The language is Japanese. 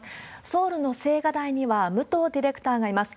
ソウルの青瓦台には武藤ディレクターがいます。